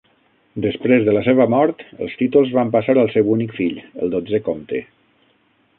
Després de la seva mort, els títols van passar al seu únic fill, el dotzè comte.